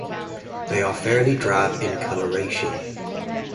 They are fairly drab in coloration.